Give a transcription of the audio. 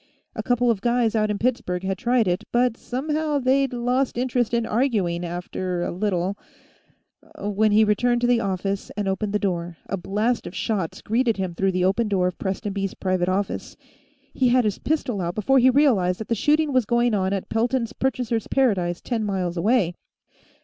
A couple of guys out in Pittsburgh had tried it, but somehow they'd lost interest in arguing, after a little When he returned to the office and opened the door, a blast of shots greeted him through the open door of Prestonby's private office. He had his pistol out before he realized that the shooting was going on at Pelton's Purchasers' Paradise, ten miles away.